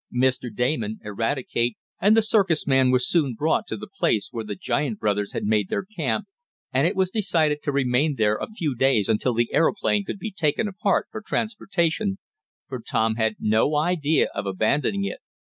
Mr. Damon, Eradicate and the circus man were soon brought to the place where the giant brothers had made their camp, and it was decided to remain there a few days until the aeroplane could be taken apart for transportation, for Tom had no idea of abandoning it.